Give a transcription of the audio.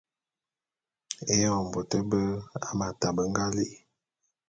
Eyon bôt bé Hamata be nga li'i.